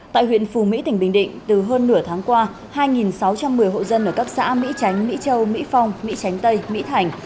tại huyện phù mỹ tỉnh bình định từ hơn nửa tháng qua hai sáu trăm một mươi hộ dân ở các xã mỹ tránh mỹ châu mỹ phong mỹ tránh tây mỹ thành